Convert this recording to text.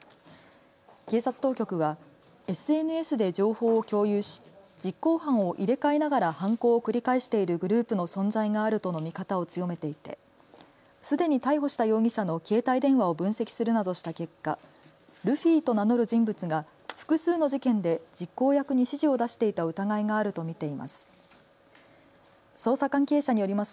警察当局はＳＮＳで情報を共有し実行犯を入れ替えながら犯行を繰り返しているグループの存在があるとの見方を強めていてすでに逮捕した容疑者の携帯電話を分析するなどした結果、ルフィと名乗る人物が複数の事件で実行役に指示を出していた疑いがあると見ています。